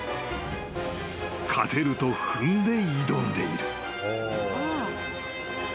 ［勝てると踏んで挑んでいる］